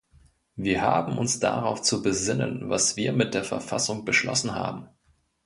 Wir haben uns darauf zu besinnen, was wir mit der Verfassung beschlossen haben.